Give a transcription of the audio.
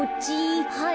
はい。